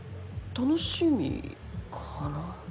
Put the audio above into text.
楽しみかな